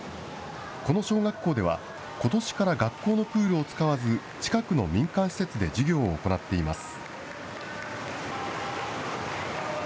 この小学校では、ことしから学校のプールを使わず、近くの民間施設で授業を行っています。